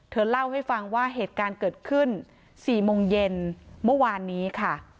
เล่าให้ฟังว่าเหตุการณ์เกิดขึ้น๔โมงเย็นเมื่อวานนี้ค่ะ